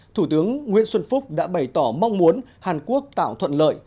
thủ tướng nguyễn xuân phúc đã bày tỏ mong muốn hàn quốc tạo thuận lợi